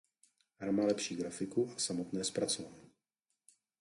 Hra má lepší grafiku a samotné zpracování.